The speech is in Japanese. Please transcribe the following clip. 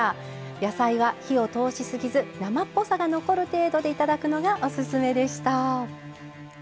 野菜は火を通しすぎず生っぽさが残る程度でいただくのがオススメでした。